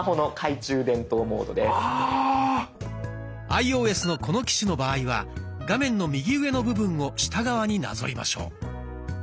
アイオーエスのこの機種の場合は画面の右上の部分を下側になぞりましょう。